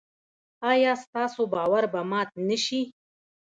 ایا ستاسو باور به مات نشي؟